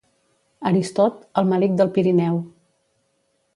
Aristot, el melic del Pirineu.